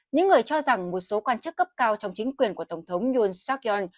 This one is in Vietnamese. những người cho rằng một số quan chức cấp cao trong chính quyền của tổng thống yoon seok yong